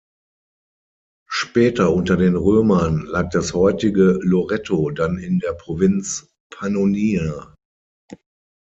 Später unter den Römern lag das heutige Loretto dann in der Provinz Pannonia.